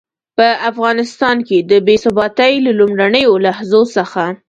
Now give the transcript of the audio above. په افغانستان کې د بې ثباتۍ له لومړنيو لحظو څخه.